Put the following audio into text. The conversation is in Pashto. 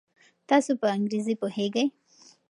تاسو په انګریزي پوهیږئ؟